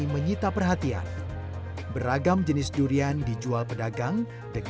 mengapa sebagian dari kita menyukainya